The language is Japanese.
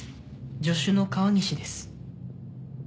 助手の川西です。